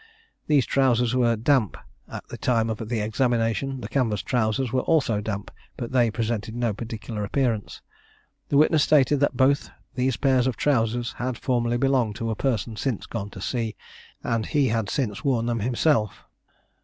These trousers were damp at the time of the examination; the canvas trousers were also damp, but they presented no particular appearance. The witness stated that both these pairs of trousers had formerly belonged to a person since gone to sea, and he had since worn them himself.